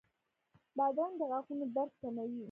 بادرنګ د غاښونو درد کموي.